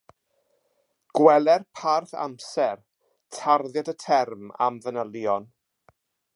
Gweler parth amser: tarddiad y term am fanylion.